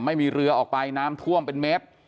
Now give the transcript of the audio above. ไม่มีเรือออกไปน้ำท่วมเป็นเมตร